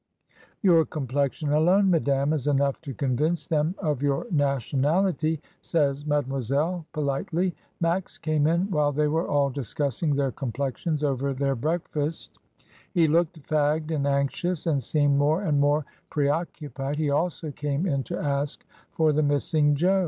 "Your complexion alone, madame, is enough to convince them of your nationality," says Made moiselle politely. Max came in while they were all discussing their complexions over their breakfast; 2l8 MRS. DYMOND. he looked fagged and anxious, and seemed more and more preoccupied; he also came in to ask for the missing Jo.